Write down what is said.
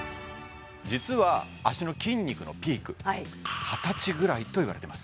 実は脚の筋肉のピーク二十歳ぐらいといわれてます